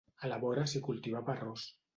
A la vora s'hi cultivava arròs.